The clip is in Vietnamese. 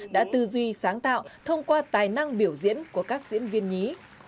đã tư duy sáng tạo thông qua tài năng biểu diễn của các diễn viên nhí